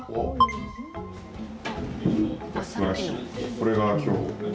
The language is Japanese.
これが今日。